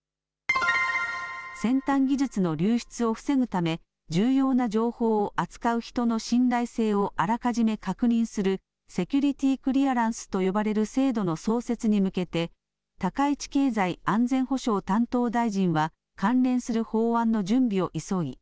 先端技術の流出を防ぐため重要な情報を扱う人の信頼性をあらかじめ確認するセキュリティークリアランスと呼ばれる制度の創設に向けて高市経済安全保障担当大臣は関連する法案の準備を急ぎ